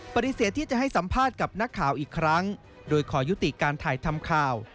ปฏิเสธที่จะให้สัมภาษณ์กับนักข่าวอีกครั้งโดยขอยุติการถ่ายทำข่าว